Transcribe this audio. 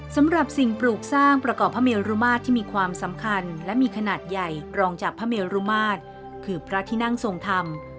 สำหรับสิ่งปลูกสร้างประกอบพระเมรุมาตรที่มีความสำคัญและมีขนาดใหญ่กรองจากพระเมรุมาตรคือพระที่นั่งทรงธรรม